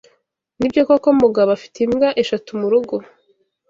Nibyo koko Mugabo afite imbwa eshatu murugo?